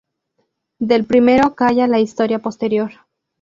Del primero calla la historia posterior.